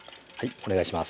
お願いします